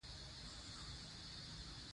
واجده ډوډۍ پخوي